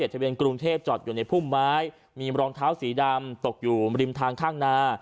ทะเบียนกรุงเทพจอดอยู่ในพุ่มไม้มีรองเท้าสีดำตกอยู่ริมทางข้างนา